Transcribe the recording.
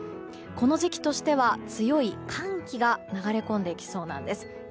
この時期としては強い寒気が流れ込んできそうなんです。